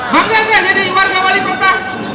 bangga gak jadi warga wali kota